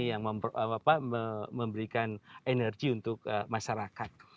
yang memberikan energi untuk masyarakat